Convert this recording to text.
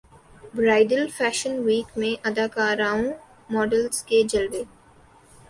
bridal fashion week میں اداکاراں models کے جلوے